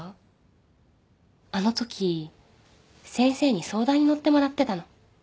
あのとき先生に相談に乗ってもらってたの。